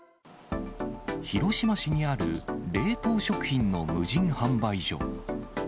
広島市にある冷凍食品の無人販売所。